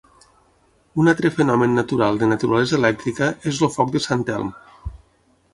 Un altre fenomen natural de naturalesa elèctrica és el Foc de Sant Elm.